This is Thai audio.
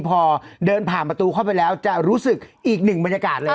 พอเดินผ่านประตูเข้าไปแล้วจะรู้สึกอีกหนึ่งบรรยากาศเลย